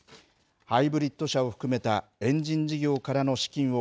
ハイブリッド車を含めたエンジン事業からの資金を、